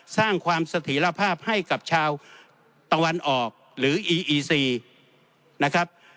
สร้างความเสถียรภาพให้กับชาวตะวันออกหรืออีอีซีนะครับ